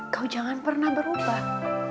kau jangan pernah berubah